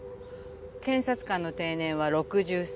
検察官の定年は６３。